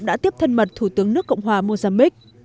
đã tiếp thân mật thủ tướng nước cộng hòa mozambique